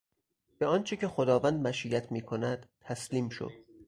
به آنچه که خداوند مشیت میکند تسلیم شو!